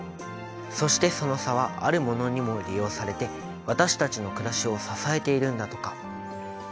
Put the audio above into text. そしてその差はあるものにも利用されて私たちの暮らしを支えているんだとか。